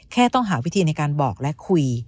ต้องหาวิธีในการบอกและคุย